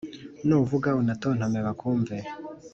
Nuvuga unatontome bakumve